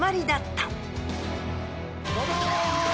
どうも。